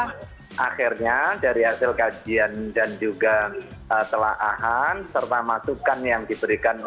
nah akhirnya dari hasil kajian dan juga telahan serta masukan yang diberikan